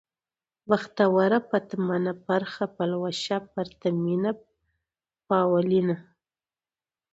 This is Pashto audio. بختوره ، پتمنه ، پرخه ، پلوشه ، پرتمينه ، پاولينه